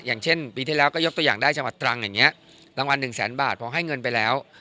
อย่างเช่นปีที่แล้วก็ยกตัวอย่างได้จังหวัดตรังอย่างนี้รางวัลหนึ่งแสนบาทพอให้เงินไปแล้ว